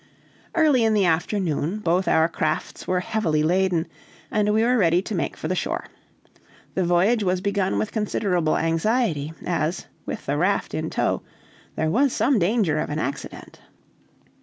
Early in the afternoon, both our crafts were heavily laden, and we were ready to make for the shore. The voyage was begun with considerable anxiety, as, with the raft in tow, there was some danger of an accident.